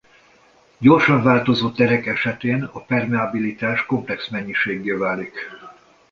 Gyorsan változó terek esetén a permeabilitás komplex mennyiséggé válik.